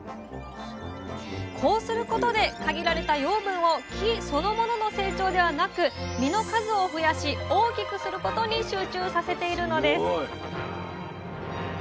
こうすることで限られた養分を木そのものの成長ではなく実の数を増やし大きくすることに集中させているのです